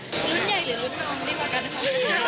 รุ่นใหญ่หรือรุ่นน้องดีกว่ากันนะคะ